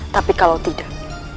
tapi kalau tidak